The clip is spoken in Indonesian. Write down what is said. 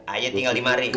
ayah tinggal dimari